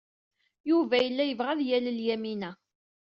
Yuba yella yebɣa ad yalel Yamina.